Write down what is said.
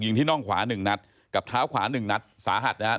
ที่น่องขวาหนึ่งนัดกับเท้าขวาหนึ่งนัดสาหัสนะครับ